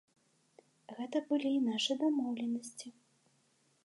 Гэта былі нашы дамоўленасці.